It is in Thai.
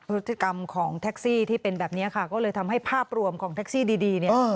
พฤติกรรมของแท็กซี่ที่เป็นแบบนี้ค่ะก็เลยทำให้ภาพรวมของแท็กซี่ดีเนี่ย